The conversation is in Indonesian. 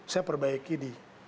saya perbaiki di